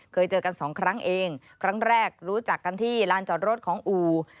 เคยเจอกันสองครั้งเองครั้งแรกรู้จักกันที่ลานจอดรถของอู่